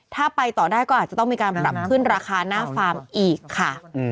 ถ้าไปต่อได้ก็อาจจะต้องมีการปรับขึ้นราคาหน้าฟาร์มอีกค่ะ